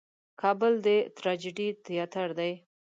کابل د ټراجېډي تیاتر دی.